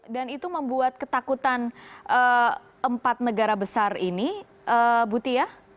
dan itu membuat ketakutan empat negara besar ini butia